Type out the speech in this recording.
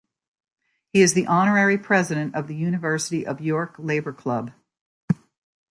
He is the honorary president of the University of York Labour Club.